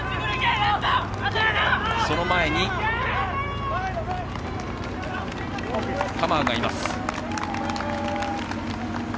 その前にカマウがいます。